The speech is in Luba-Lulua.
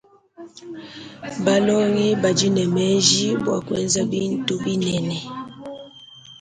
Balongi badi ne menji bua kuenza bintu binene.